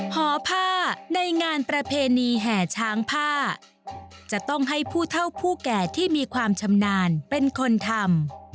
หอผ้าในงานประเพณีแห่ช้างผ้าจะต้องให้ผู้เท่าผู้แก่ที่มีความชำนาญเป็นคนทำ